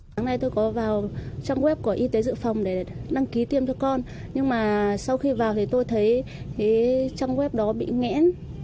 sáng nay tôi có vào trang web của y tế dự phòng để đăng ký tiêm cho con nhưng mà sau khi vào thì tôi thấy cái trang web đó bị ngẽn